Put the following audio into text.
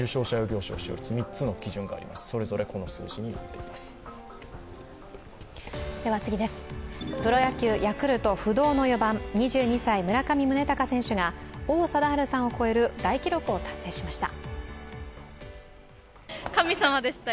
プロ野球ヤクルト不動の４番２２歳・村上宗隆選手が王貞治さんを超える大記録を達成しました。